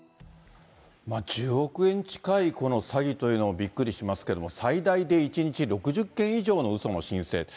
１０億円近いこの詐欺というのもびっくりしますけれども、最大で１日６０件以上のうその申請。